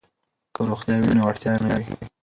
که روغتیا وي نو اړتیا نه وي.